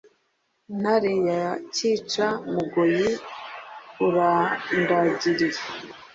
ntare ya cyica-mugoyi urandagirire.